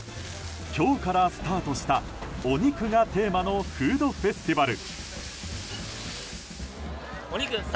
今日からスタートしたお肉がテーマのフードフェスティバル。